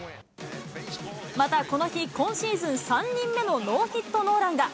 またこの日、今シーズン３人目のノーヒットノーランが。